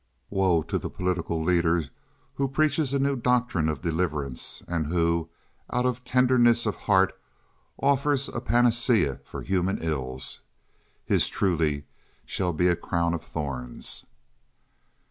Woe to the political leader who preaches a new doctrine of deliverance, and who, out of tenderness of heart, offers a panacea for human ills. His truly shall be a crown of thorns.